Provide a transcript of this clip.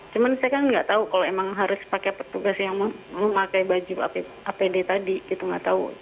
cuma saya kan nggak tahu kalau emang harus pakai petugas yang memakai baju apd tadi gitu nggak tahu